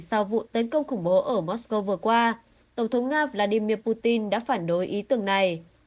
sau vụ tấn công khủng bố ở mosco vừa qua tổng thống nga vladimir putin đã phản đối ý tưởng này